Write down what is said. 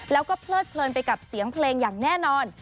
แล้วก็เพลิดเพลินไปกับเสียงเพลงอย่างแน่นอน